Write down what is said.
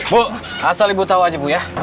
bu asal ibu tahu aja bu ya